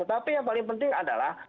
tapi yang paling penting adalah